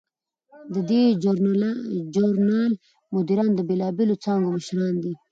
د دې ژورنال مدیران د بیلابیلو څانګو مشران دي.